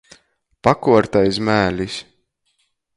Pakuort aiz mēlis.